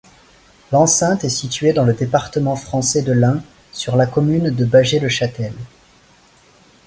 L'enceinte est située dans le département français de l'Ain, sur la commune de Bâgé-le-Châtel.